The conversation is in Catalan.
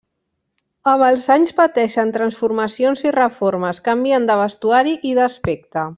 Amb els anys pateixen transformacions i reformes, canvien de vestuari i d'aspecte.